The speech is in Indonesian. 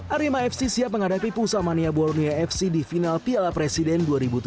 arema fc siap menghadapi pusamania borneo fc di final piala presiden dua ribu tujuh belas